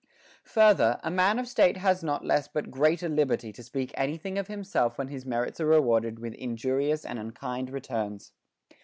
Further, a man of state has not less but greater lib erty to speak any thing of himself when his merits are rewarded with injurious and unkind returns.